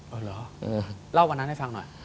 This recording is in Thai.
เอาเหรอเล่าวันนั้นให้ฟังหน่อย